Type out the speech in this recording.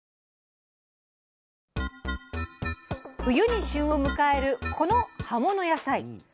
冬に旬を迎えるこの葉物野菜。